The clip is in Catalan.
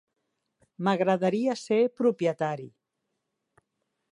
M'agradaria ser propietari.